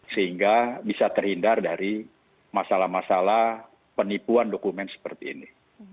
sehingga bisa terhindar dari masalah masalah penipuan dokumen seperti ini